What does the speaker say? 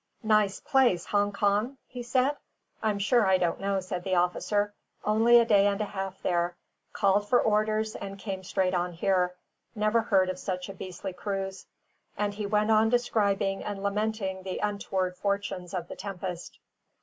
"Nice place, Hong Kong?" he said. "I'm sure I don't know," said the officer. "Only a day and a half there; called for orders and came straight on here. Never heard of such a beastly cruise." And he went on describing and lamenting the untoward fortunes of the Tempest.